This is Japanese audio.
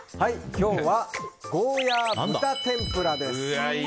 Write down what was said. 今日はゴーヤー豚天ぷらです。